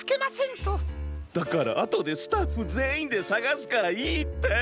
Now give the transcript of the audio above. だからあとでスタッフぜんいんでさがすからいいって！